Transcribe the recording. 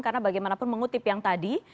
karena bagaimanapun mengutip yang tadi